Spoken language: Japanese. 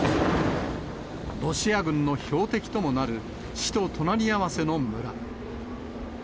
ロシア軍の標的ともなる死と隣り合わせの村。